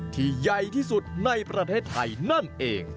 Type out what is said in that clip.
ใหญ่ที่สุดในประเทศไทยนั่นเอง